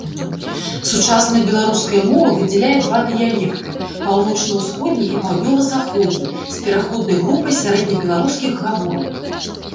Сучасная беларуская мова выдзяляе два дыялекты, паўночна-усходні і паўднёва-заходні, з пераходнай групай сярэднебеларускіх гаворак.